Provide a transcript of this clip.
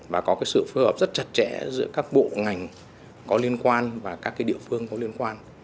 và có cái sự phù hợp rất chặt chẽ giữa các bộ ngành có liên quan và các cái địa phương có liên quan